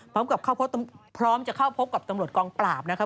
พร้อมกับพร้อมจะเข้าพบกับตำรวจกองปราบนะครับ